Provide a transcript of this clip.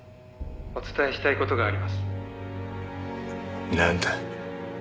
お伝えしたい事があります」なんだ？